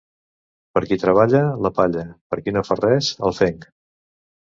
Per qui treballa, la palla; per qui no fa res, el fenc.